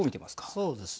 そうですね。